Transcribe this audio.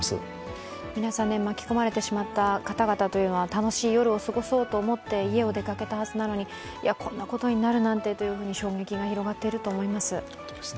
皆さん巻き込まれてしまった方々は、楽しい夜をすごそうと思って家を出かけたはずなのに、こんなことになるなんてと衝撃が広がっていると思います。